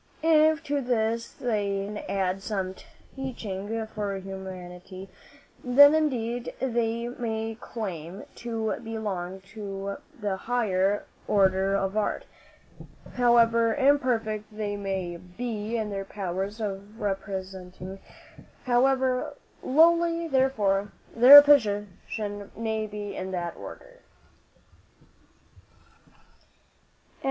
If to this they can add some teaching for humanity, then indeed they may claim to belong to the higher order of art, however imperfect they may be in their powers of representing however lowly, therefore, their position may be in that order."